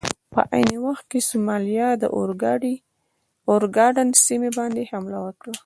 په عین وخت کې سومالیا د اوګادن سیمې باندې حمله وکړه.